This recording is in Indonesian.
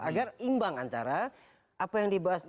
agar imbang antara apa yang dibahas